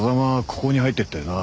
ここに入ってったよな？